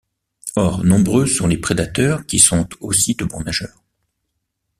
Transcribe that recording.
Or, nombreux sont les prédateurs qui sont aussi de bons nageurs.